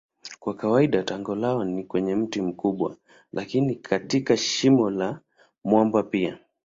Kwa kawaida tago lao ni kwenye mti mkubwa lakini katika shimo la mwamba pia.